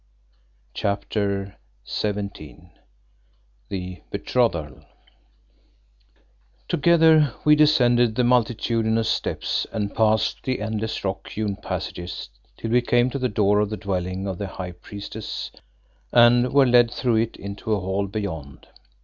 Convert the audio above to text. CHAPTER XVII THE BETROTHAL Together we descended the multitudinous steps and passed the endless, rock hewn passages till we came to the door of the dwelling of the high priestess and were led through it into a hall beyond.